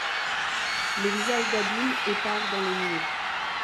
Les visages d’abîme épars dans les nuées.